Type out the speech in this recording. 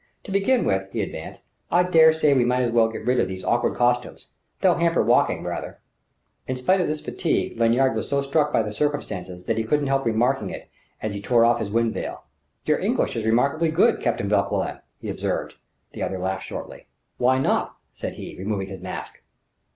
"To begin with," he advanced, "I daresay we might as well get rid of these awkward costumes. They'll hamper walking rather." In spite of his fatigue Lanyard was so struck by the circumstances that he couldn't help remarking it as he tore off his wind veil. "Your English is remarkably good, Captain Vauquelin," he observed. The other laughed shortly. "Why not?" said he, removing his mask.